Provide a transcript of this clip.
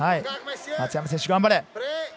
松山選手、頑張れ！